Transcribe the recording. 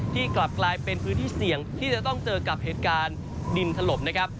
กลับกลายเป็นพื้นที่เสี่ยงที่จะต้องเจอกับเหตุการณ์ดินถล่มนะครับ